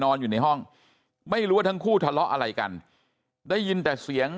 อยู่ในห้องไม่รู้ว่าทั้งคู่ทะเลาะอะไรกันได้ยินแต่เสียง